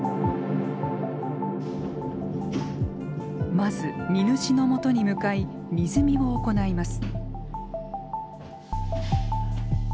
まず荷主のもとに向かい荷積みを行います。